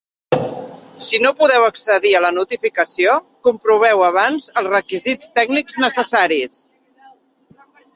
Si no podeu accedir a la notificació, comproveu abans els requisits tècnics necessaris.